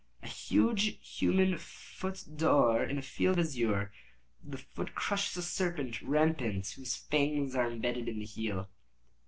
"A huge human foot d'or, in a field azure; the foot crushes a serpent rampant whose fangs are imbedded in the heel."